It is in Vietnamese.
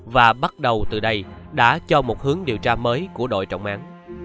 và bắt đầu từ đây đã cho một hướng điều tra mới của đội trọng án